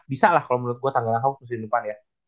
bisa lah kalo menurut gua tanggerang hawks musim depan ya